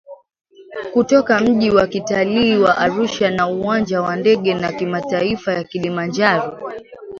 kutoka mji wa kitalii wa Arusha na Uwanja wa Ndege wa Kimataifa wa Kilimanjaro